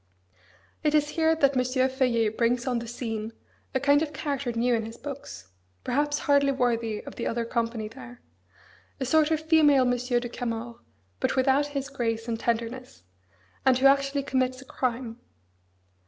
It is here that M. Feuillet brings on the scene a kind of character new in his books; perhaps hardly worthy of the other company there; a sort of female Monsieur de Camors, but without his grace and tenderness, and who actually commits a crime.